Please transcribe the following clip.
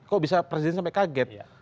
kok bisa presiden sampai kaget